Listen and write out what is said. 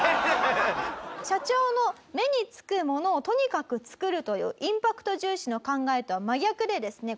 社長の目につくものをとにかく作るというインパクト重視の考えとは真逆でですね